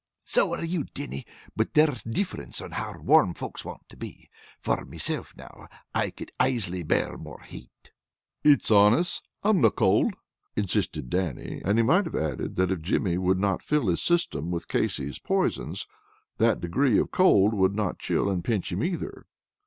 So are you, Dannie, but there's a difference in how warm folks want to be. For meself, now, I could aisily bear a little more hate." "It's honest, I'm no cauld," insisted Dannie; and he might have added that if Jimmy would not fill his system with Casey's poisons, that degree of cold would not chill and pinch him either.